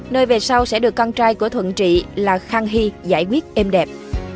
nơi về sau sẽ được con trai của thuận trị là khang hy giải quyết êm đẹp